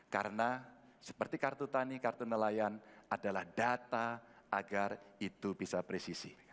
karena seperti kartu tani kartu nelayan adalah data agar itu bisa presisi